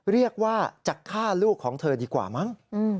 เรียกว่าจะฆ่าลูกของเธอดีกว่ามั้ง